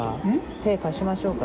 手貸しましょうか？